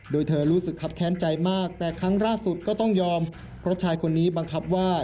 โดยเธอรู้สึกครับแค้นใจมากแต่ครั้งล่าสุดก็ต้องยอมเพราะชายคนนี้บังคับว่า